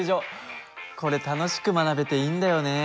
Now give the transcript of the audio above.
これ楽しく学べていいんだよね。